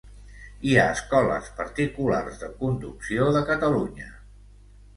Hi ha escoles particulars de conducció de Catalunya.